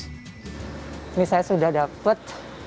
ini saya sudah dapat